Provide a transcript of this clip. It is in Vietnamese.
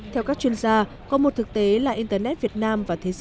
theo các chuyên gia có một thực tế là internet việt nam và thế giới